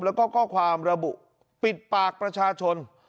แล้วก็ข้อความระบุปิดปากประชาชน